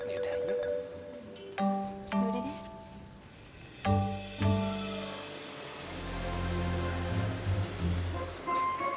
enggak ada something